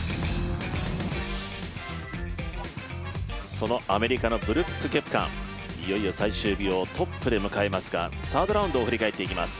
そのアメリカのブルックス・ケプカいよいよ最終日をトップで迎えますが、サードラウンドを振り返っていきます